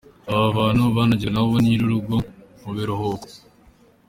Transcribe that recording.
Aba bantu banajyanaga na ba nyir’urugo mu biruhuko.